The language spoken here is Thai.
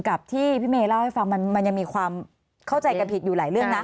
กับที่พี่เมย์เล่าให้ฟังมันยังมีความเข้าใจกันผิดอยู่หลายเรื่องนะ